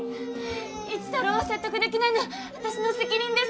一太郎を説得できないのは私の責任です